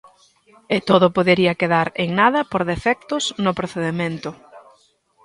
E todo podería quedar en nada por defectos no procedemento.